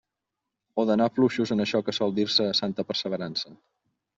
O d'anar fluixos en això que sol dir-se santa perseverança.